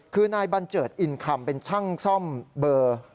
คือนายบัญเจิดอินคำเป็นช่างซ่อมเบอร์